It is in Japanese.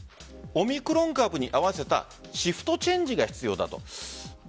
オミクロン株に合わせたシフトチェンジが必要だと。